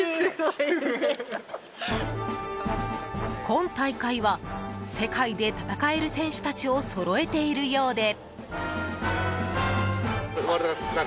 今大会は、世界で戦える選手たちをそろえているようで。